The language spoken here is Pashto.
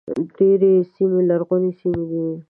ډېرې سیمې لرغونې سیمې دي.